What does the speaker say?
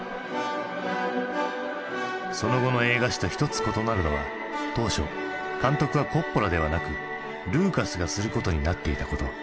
その後の映画史と一つ異なるのは当初監督はコッポラではなくルーカスがすることになっていたこと。